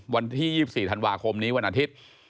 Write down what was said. วันที่๒๔ธันวาคมนี้วันอาทิตย์